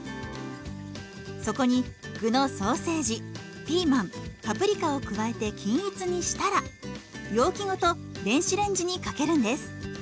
そこに具のソーセージピーマンパプリカを加えて均一にしたら容器ごと電子レンジにかけるんです。